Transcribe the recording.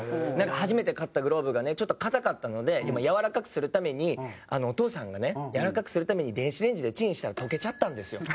初めて買ったグローブがねちょっと硬かったのでやわらかくするためにお父さんがねやわらかくするために電子レンジでチンしたら溶けちゃったんですよ。